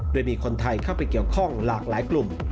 โดยมีคนไทยเข้าไปเกี่ยวข้องหลากหลายกลุ่ม